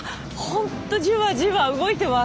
ほんとじわじわ動いてます。